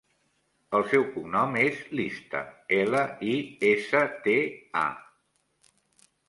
El seu cognom és Lista: ela, i, essa, te, a.